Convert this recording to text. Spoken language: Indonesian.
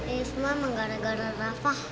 ini semua menggara gara rafa